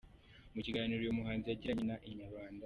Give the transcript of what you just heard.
Mu kiganiro uyu muhanzi yagiranye na inyarwanda.